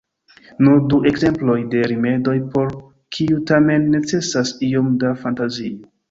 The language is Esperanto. Nur du ekzemploj de rimedoj, por kiuj tamen necesas iom da fantazio.